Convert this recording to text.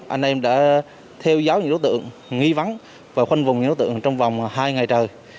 anh em đã theo dõi những đối tượng nghi vắng và khoanh vùng những đối tượng trong vòng hai ngày trời